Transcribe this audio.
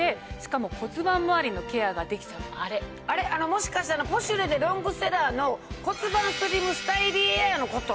もしかして『ポシュレ』でロングセラーの骨盤スリムスタイリーエアーのこと？